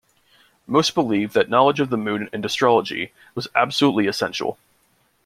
Most believed that knowledge of the moon and astrology was absolutely essential.